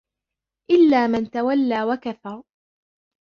إِلَّا مَنْ تَوَلَّى وَكَفَرَ